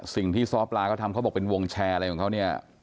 สิ่งที่ซ้อปลาก็ทำเขาบอกเป็นวงแชร์อะไรของเขาเนี่ย